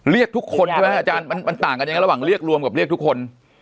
เรียกทุกคนใช่ไหมอาจารย์มันต่างกันยังไงระหว่างเรียกรวมกับเรียกทุกคน